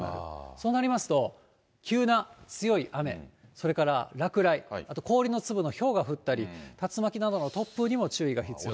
そうなりますと、急な強い雨、それから落雷、あと氷の粒のひょうが降ったり、竜巻などの突風にも注意が必要です。